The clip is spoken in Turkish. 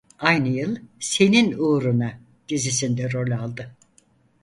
Aynı yıl "Senin Uğruna" dizisinde rol aldı.